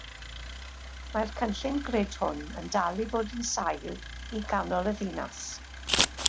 Mae'r cynllun grid hwn yn dal i fod yn sail i ganol y ddinas.